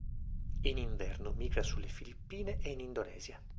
In inverno migra sulle Filippine e in Indonesia.